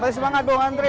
masih semangat dong antri